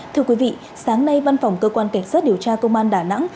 thưa quý vị sáng nay văn phòng cơ quan cảnh sát điều tra công an đà nẵng